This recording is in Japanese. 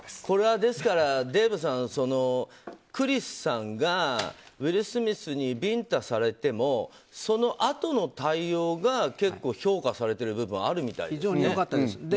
これは、デーブさんクリスさんがウィル・スミスにビンタされてもそのあとの対応が結構評価されてる部分が非常に良かったです。